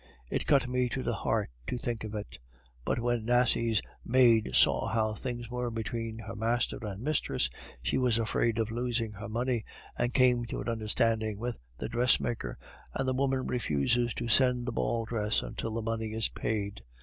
It cut me to the heart to think of it! But when Nasie's maid saw how things were between her master and mistress, she was afraid of losing her money, and came to an understanding with the dressmaker, and the woman refuses to send the ball dress until the money is paid.